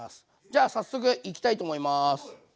じゃあ早速いきたいと思います。